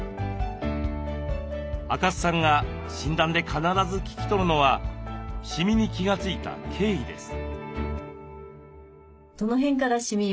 赤須さんが診断で必ず聞き取るのはシミに気が付いた経緯です。